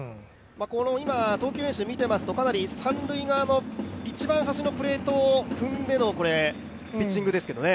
投球練習を見ていますと、かなり三塁側の一番端のプレートを踏んでのピッチングですけどね。